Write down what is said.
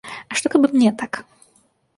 А што, каб і мне так?